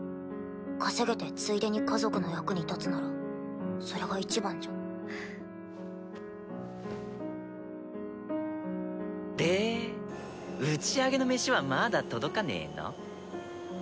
稼げてついでに家族の役に立つならそれがいちばんじゃん。で打ち上げの飯はまだ届かねぇの？